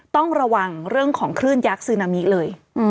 ต้องระวังเรื่องของคลื่นยักษ์ซึนามิเลย